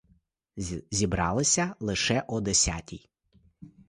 Зібралися лише о десятій.